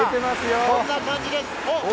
こんな感じです。